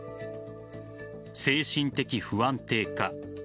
精神的不安定化